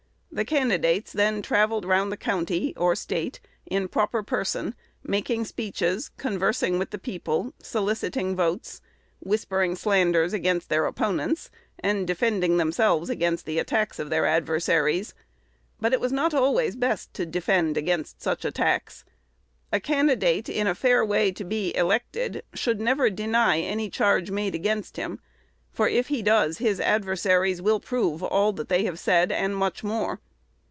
The candidates then travelled around the county, or State, in proper person, making speeches, conversing with the people, soliciting votes, whispering slanders against their opponents, and defending themselves against the attacks of their adversaries; but it was not always best to defend against such attacks. A candidate in a fair way to be elected should never deny any charge made against him; for, if he does, his adversaries will prove all that they have said, and much more.